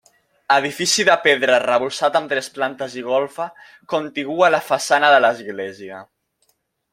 Edifici de pedra arrebossat amb tres plantes i golfa, contigu a la façana de l'església.